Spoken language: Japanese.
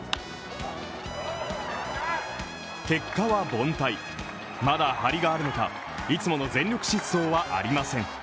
結果は凡退、まだ張りがあるのか、いつもの全力疾走はありません。